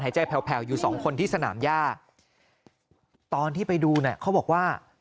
ใจแผลวแผลวอยู่สองคนที่สนามย่าตอนที่ไปดูเนี่ยเขาบอกว่า